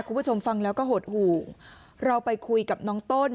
คุณผู้ชมฟังแล้วก็หดหู่เราไปคุยกับน้องต้น